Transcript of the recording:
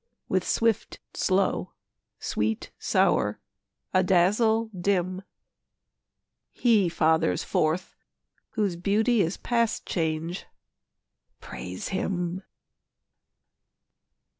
With swift, slow; sweet, sour; adazzle, dim; He fathers forth whose beauty is past change: Praise him.